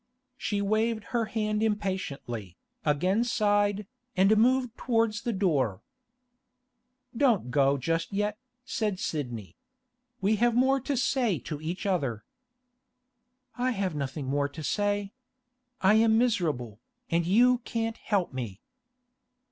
She waved her hand impatiently, again sighed, and moved towards the door. 'Don't go just yet,' said Sidney. 'We have more to say to each other.' 'I have nothing more to say. I am miserable, and you can't help me.